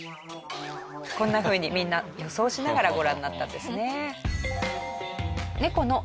こんな風にみんな予想しながらご覧になったんですね。